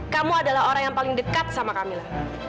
kamu adalah orang yang paling dekat sama kamila